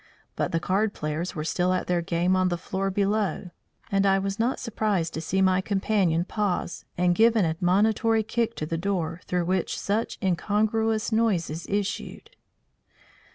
But the card players were still at their game on the floor below, and I was not surprised to see my companion pause and give an admonitory kick to the door through which such incongruous noises issued.